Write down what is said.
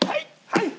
はい！